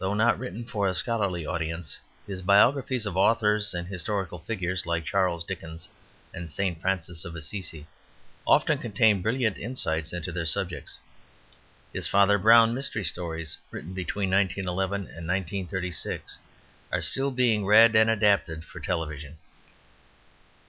Though not written for a scholarly audience, his biographies of authors and historical figures like Charles Dickens and St. Francis of Assisi often contain brilliant insights into their subjects. His Father Brown mystery stories, written between 1911 and 1936, are still being read and adapted for television.